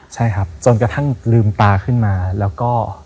ใช่ครับจนกระทั่งลืมตาขึ้นมาแล้วก็